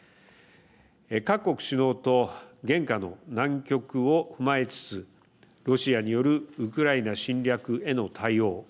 各国首脳と現下の難局を踏まえつつロシアによるウクライナ侵略への対応。